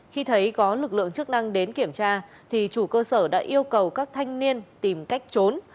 khi thấy có lực lượng chức năng đến kiểm tra thì chủ cơ sở đã yêu cầu các thanh niên tìm cách trốn